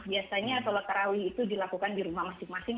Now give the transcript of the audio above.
biasanya solat terawih itu dilakukan di rumah masing masing